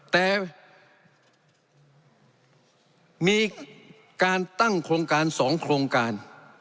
แต่มีการตั้งโครงการ๒โครงการ